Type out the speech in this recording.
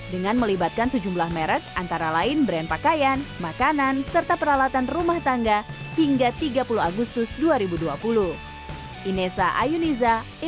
dengan melibatkan sejumlah merek antara lain brand pakaian makanan serta peralatan rumah tangga hingga tiga puluh agustus dua ribu dua puluh